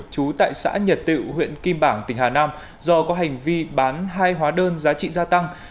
chú tại xã nhật tự huyện kim bảng tỉnh hà nam do có hành vi bán hai hóa đơn giá trị gia tăng